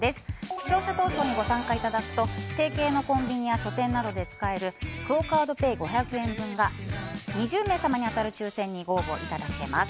視聴者投票にご参加いただくと提携のコンビニや書店などで使えるクオ・カードペイ５００円分が２０名様に当たる抽選にご応募いただけます。